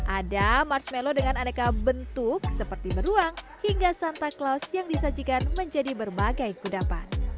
ada marshmallow dengan aneka bentuk seperti beruang hingga santa claus yang disajikan menjadi berbagai kudapan